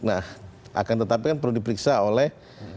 nah akan tetapkan perlu diperiksa oleh